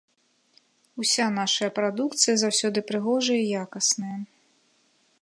Уся наша прадукцыя заўсёды прыгожая і якасная.